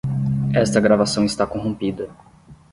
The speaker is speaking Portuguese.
Esta gravação está corrompida.